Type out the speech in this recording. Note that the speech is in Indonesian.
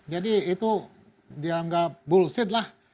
jadi itu dianggap bullshit lah